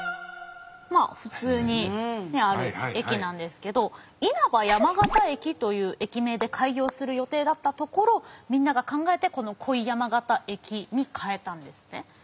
まあ普通にある駅なんですけど「因幡山形駅」という駅名で開業する予定だったところみんなが考えてこの「恋山形駅」に替えたんですね。